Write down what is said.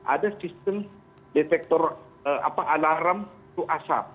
ada sistem alarm untuk asap